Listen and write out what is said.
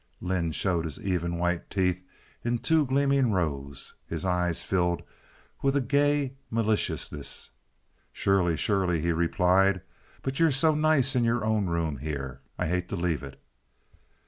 Lynde showed his even white teeth in two gleaming rows. His eyes filled with a gay maliciousness. "Surely, surely," he replied; "but you're so nice in your own room here. I hate to leave it."